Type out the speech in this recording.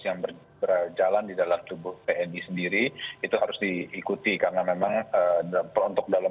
yang berjalan di dalam tubuh tni sendiri itu harus diikuti karena memang untuk dalam